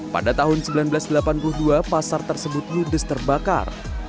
pada tahun seribu sembilan ratus delapan puluh dua pasar tersebut ludes terbakar